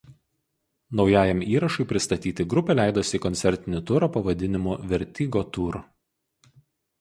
Naujajam įrašui pristatyti grupė leidosi į koncertinį turą pavadinimu „Vertigo Tour“.